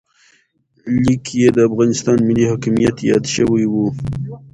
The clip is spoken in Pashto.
لیک کې د افغانستان ملي حاکمیت یاد شوی و.